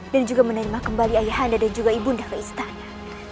juga menerima kembali ayah anda dan juga ibunda ke istana